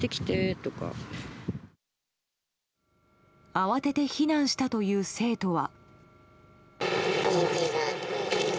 慌てて避難したという生徒は。